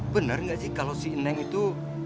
bener gak sih kalau si neng itu